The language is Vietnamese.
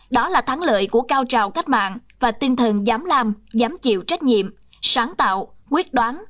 đó là thắng lợi của cao trào cách mạng và tinh thần dám làm dám chịu trách nhiệm sáng tạo quyết đoán